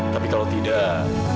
tapi kalau tidak